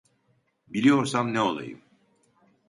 Biliyorsam ne olayım.